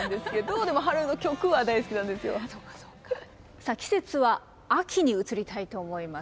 さあ季節は秋に移りたいと思います。